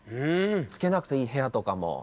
つけなくていい部屋とかも。